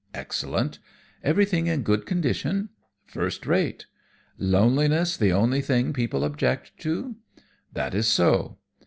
"Excellent." "Everything in good condition?" "First rate." "Loneliness the only thing people object to?" "That is so."